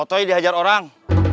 otoy dihajar orang